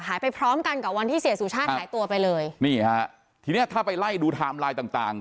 พร้อมกันกับวันที่เสียสุชาติหายตัวไปเลยนี่ฮะทีเนี้ยถ้าไปไล่ดูไทม์ไลน์ต่างต่าง